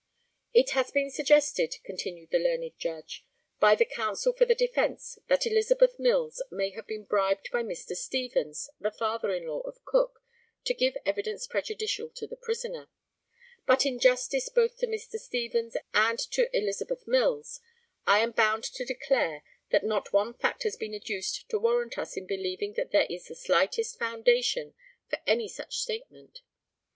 ] It has been suggested, continued the learned Judge, by the counsel for the defence, that Elizabeth Mills may have been bribed by Mr. Stevens, the father in law of Cook, to give evidence prejudicial to the prisoner; but, in justice both to Mr. Stevens and to Elizabeth Mills, I am bound to declare that not one fact has been adduced to warrant us in believing that there is the slightest foundation for any such statement.